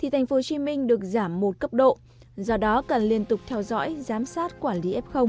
tp hcm được giảm một cấp độ do đó cần liên tục theo dõi giám sát quản lý f